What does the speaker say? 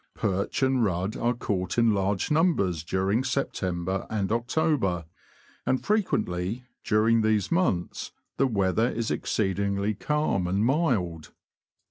Perch and rudd are caught in large numbers during September and October, and frequently, during these months, the weather is exceedingly calm and mild.